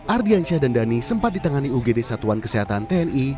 ardiansyah dan dhani sempat ditangani ugd satuan kesehatan tni